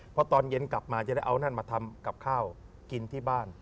พอตอนเย็นกลับมาจะได้เอานั่นมาทำกับข้าวกินที่บ้าน